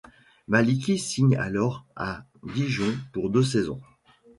Malicki signe alors à Dijon pour deux saisons.